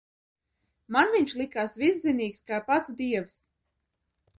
Man viņš likās viszinīgs kā pats Dievs.